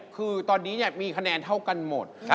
คือตอนนี้มีคะแนนเท่ากันหมด